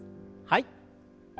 はい。